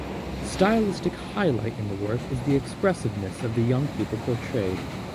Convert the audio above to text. The stylistic highlight in the work is the expressiveness of the young people portrayed.